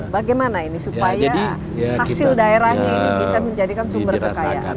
bagaimana ini supaya hasil daerahnya ini bisa menjadikan sumber kekayaan